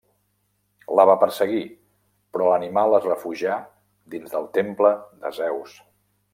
La va perseguir, però l'animal es refugià dins del temple de Zeus.